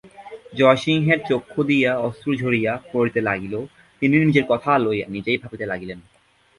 জয়সিংহের চক্ষু দিয়া অশ্রু ঝরিয়া পড়িতে লাগিল–তিনি নিজের কথা লইয়া নিজেই ভাবিতে লাগিলেন।